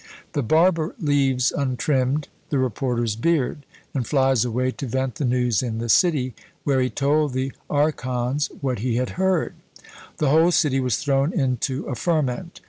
The barber leaves untrimmed the reporter's beard, and flies away to vent the news in the city, where he told the Archons what he had heard. The whole city was thrown into a ferment.